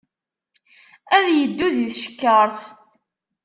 Ad iddu di tcekkaṛt.